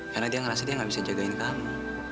karena dia ngerasa dia gak bisa jagain kamu